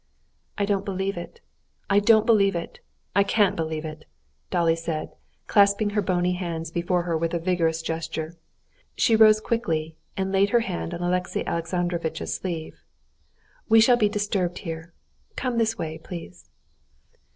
"I don't believe it, I don't believe it, I can't believe it!" Dolly said, clasping her bony hands before her with a vigorous gesture. She rose quickly, and laid her hand on Alexey Alexandrovitch's sleeve. "We shall be disturbed here. Come this way, please."